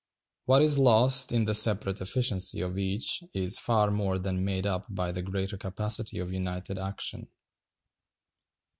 What is lost in the separate efficiency of each is far more than made up by the greater capacity of united action.